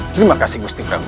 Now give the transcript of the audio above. terima kasih gusti prabu